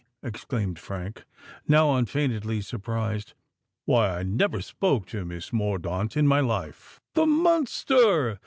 exclaimed Frank, now unfeignedly surprised: "why—I never spoke to Miss Mordaunt in my life!" "The monster!"